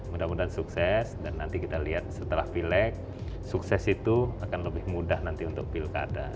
mudah mudahan sukses dan nanti kita lihat setelah pilek sukses itu akan lebih mudah nanti untuk pilkada